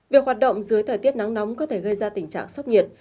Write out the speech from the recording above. việc hoạt động dưới thời tiết nắng nóng có thể gây ra tình trạng sốc nhiệt